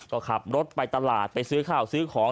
ก็ขับรถไปตลาดไปซื้อข้าวซื้อของ